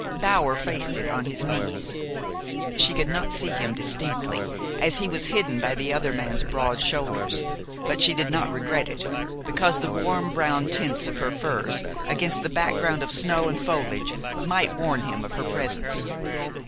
Bower faced it on his knees. She could not see him distinctly, as he was hidden by the other man's broad shoulders; but she did not regret it, because the warm brown tints of her furs against the background of snow and foliage might warn him of her presence.